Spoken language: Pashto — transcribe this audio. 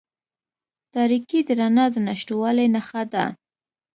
تاریکې د رڼا د نشتوالي نښه ده.